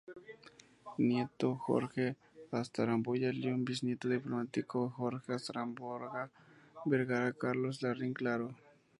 Nieto Jorge Astaburuaga Lyon; bisnieto del diplomático Jorge Astaburuaga Vergara y Carlos Larraín Claro.